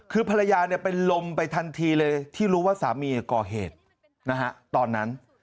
คือภรรยาเป็นลมไปทันทีเลยที่รู้ว่าสามีก่อเหตุตอนนั้น